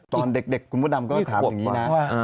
ตอนเด็กคุณผู้ดำก็ถามอย่างงี้นะ